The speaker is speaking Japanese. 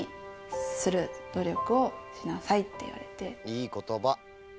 いい言葉。